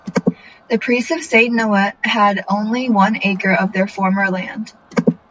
The priests of Saint Neot had only one acre of their former land.